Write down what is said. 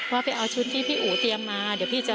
ว่าไปเอาชุดที่พี่อู๋เตรียมมา